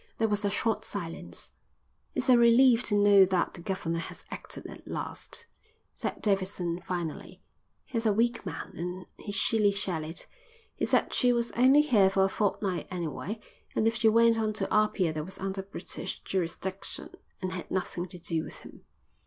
There was a short silence. "It's a relief to know that the governor has acted at last," said Davidson finally. "He's a weak man and he shilly shallied. He said she was only here for a fortnight anyway, and if she went on to Apia that was under British jurisdiction and had nothing to do with him."